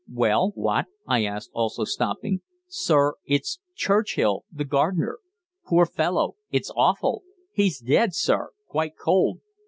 "Well, what?" I asked, also stopping. "Sir it's Churchill, the gardener. Poor fellow! It's awful! He's dead, sir, quite cold.